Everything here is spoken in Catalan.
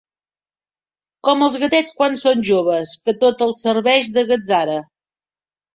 Com els gatets quan són joves, que tot els serveix de gatzara